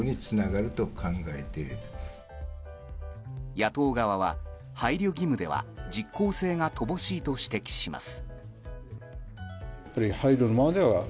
野党側は、配慮義務では実効性が乏しいと指摘します。